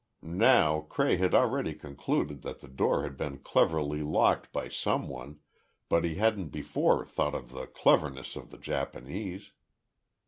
Now, Cray had already concluded that the door had been cleverly locked by some one, but he hadn't before thought of the cleverness of the Japanese.